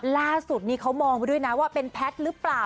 ล่าสุดนี้เขามองไปด้วยนะว่าเป็นแพทย์หรือเปล่า